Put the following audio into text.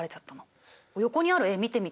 横にある絵見てみて。